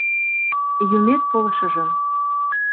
Юмет полшыжо!